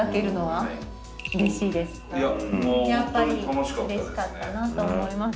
やっぱりうれしかったなと思います。